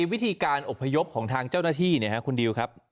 วิธีการอบพยพของทางเจ้าหน้าที่คุณดิวครับ